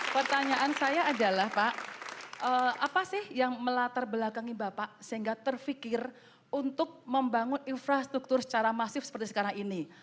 pertanyaan saya adalah pak apa sih yang melatar belakangi bapak sehingga terfikir untuk membangun infrastruktur secara masif seperti sekarang ini